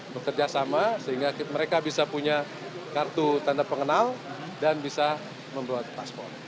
bekerja sama sehingga mereka bisa punya kartu tanda pengenal dan bisa membuat paspor